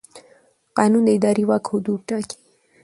قانون د اداري واک حدود ټاکي.